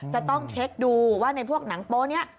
จะต้องเช็คดูว่าในพวกหนังโป๊นี้